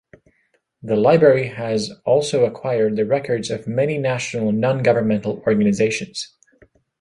The Library has also acquired the records of many national non-governmental organisations.